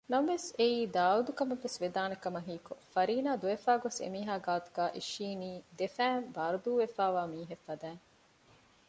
ނަމަވެސް އެއީ ދާއޫދުކަމަށްވެސް ވެދާނޭކަމަށް ހީކޮށް ފަރީނާ ދުވެފައިގޮސް އެމީހާގެ ގާތުގައި އިށީނީ ދެފައިން ބާރުދޫވެފައިވާ މީހެއް ފަދައިން